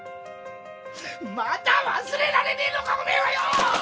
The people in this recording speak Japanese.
まだ忘れられねえのかおめえはよ！